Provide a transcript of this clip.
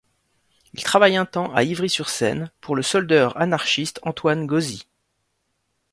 Il travaille un temps à Ivry-sur-Seine pour le soldeur anarchiste Antoine Gauzy.